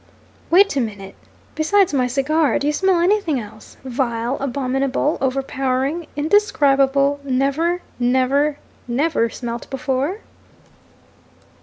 'Wait a minute. Besides my cigar, do you smell anything else vile, abominable, overpowering, indescribable, never never never smelt before?'